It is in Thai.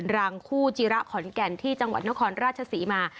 รางคู่จิระขอนแก่นที่จังหวัดนครราชศรีมา